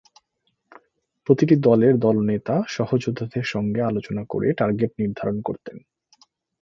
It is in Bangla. প্রতিটি দলের দলনেতা সহযোদ্ধাদের সঙ্গে আলোচনা করে টার্গেট নির্ধারণ করতেন।